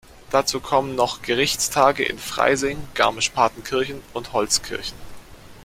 Dazu kommen noch Gerichtstage in Freising, Garmisch-Partenkirchen und Holzkirchen.